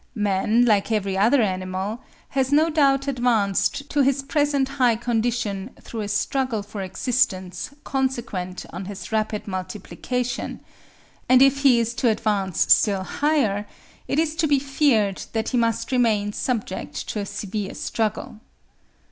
Man, like every other animal, has no doubt advanced to his present high condition through a struggle for existence consequent on his rapid multiplication; and if he is to advance still higher, it is to be feared that he must remain subject to a severe struggle.